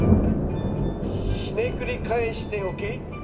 ひねくり返してＯＫ？